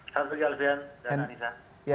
selamat pagi alvin dan anissa